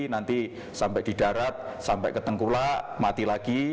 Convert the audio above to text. nanti sampai di darat sampai ke tengkulak mati lagi